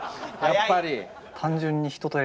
やっぱり。